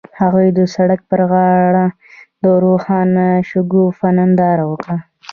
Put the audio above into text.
هغوی د سړک پر غاړه د روښانه شګوفه ننداره وکړه.